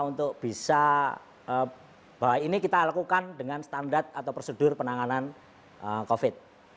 untuk bisa bahwa ini kita lakukan dengan standar atau prosedur penanganan covid